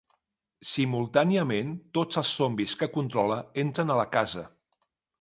Simultàniament, tots els zombis que controla entren a la casa.